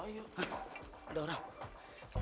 aku mau kemurah ya